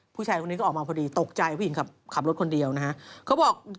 ผู้ชายคนนี้ก็ออกมาพอดีตกใจผู้หญิงขับรถคนเดียวนะฮะเขาบอก